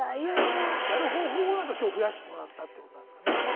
やる方法できょう増やしてもらったってことですね。